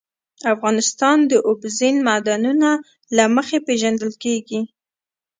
افغانستان د اوبزین معدنونه له مخې پېژندل کېږي.